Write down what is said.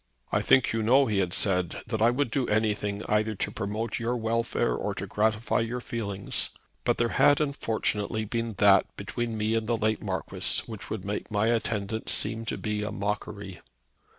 "I think you know," he had said, "that I would do anything either to promote your welfare or to gratify your feelings, but there had unfortunately been that between me and the late Marquis which would make my attendance seem to be a mockery."